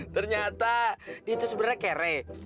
ternyata dia itu sebenarnya kere